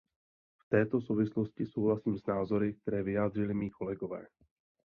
V této souvislosti souhlasím s názory, které vyjádřili mí kolegové.